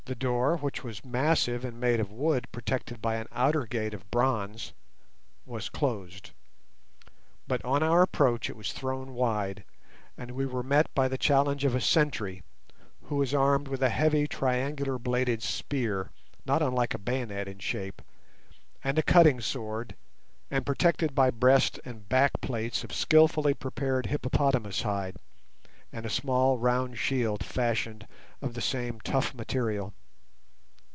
The door, which was massive, and made of wood protected by an outer gate of bronze, was closed; but on our approach it was thrown wide, and we were met by the challenge of a sentry, who was armed with a heavy triangular bladed spear, not unlike a bayonet in shape, and a cutting sword, and protected by breast and back plates of skilfully prepared hippopotamus hide, and a small round shield fashioned of the same tough material.